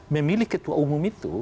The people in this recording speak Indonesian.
memilih ketua umum itu